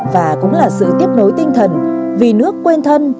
và cũng là sự tiếp nối tinh thần vì nước quên thân